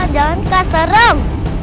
kak jangan kak serem